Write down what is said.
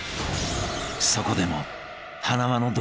［そこでも］